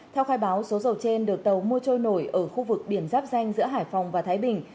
theo khai báo số dầu trên được tàu mua trôi nổi ở khu vực biển giáp danh giữa hải phòng và thái bình